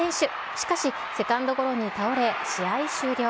しかし、セカンドゴロに倒れ、試合終了。